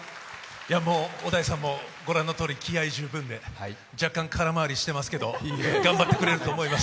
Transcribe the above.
もう小田井さんも御覧のように気合い十分で、若干空回りしていますけれども頑張ってくれると思います。